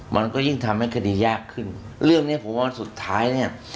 มันก็ยิ่งทำให้คดียากขึ้นเรื่องเนี้ยผมว่าสุดท้ายเนี่ย